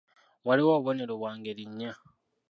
Waliwo obubonero bwa ngeri nnya.